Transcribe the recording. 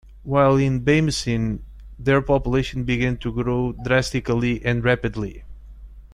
While in Bamessin, their population began to grow drastically, and rapidly.